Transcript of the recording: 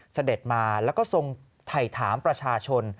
เสด็จมาแล้วก็ทรงถ่ายถามประชาชน